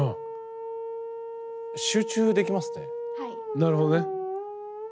なるほどね。